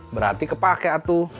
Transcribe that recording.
berarti kepake atu